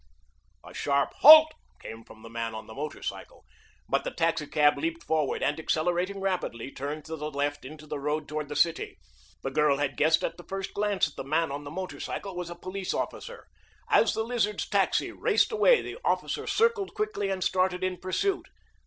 A sharp "Halt!" came from the man on the motorcycle, but the taxicab leaped forward, and, accelerating rapidly, turned to the left into the road toward the city. The girl had guessed at the first glance that the man on the motorcycle was a police officer. As the Lizard's taxi raced away the officer circled quickly and started in pursuit.